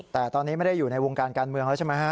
แต่ตอนนี้ไม่ได้อยู่ในวงการการเมืองแล้วใช่ไหมฮะ